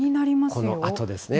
このあとですね。